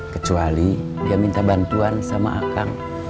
kecuali dia minta bantuan sama akang